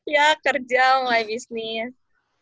ya kerja mau main bisnis